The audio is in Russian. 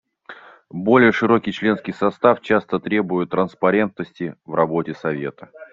Более широкий членский состав часто требует транспарентности в работе Совета.